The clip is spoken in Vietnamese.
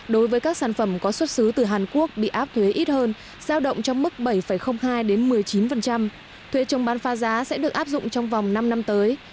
đối với các sản phẩm có xuất xứ từ hàn quốc bị áp thuế ít hơn giao động trong mức bảy hai một mươi chín thuế chống bán pha giá sẽ được áp dụng trong vòng năm năm tới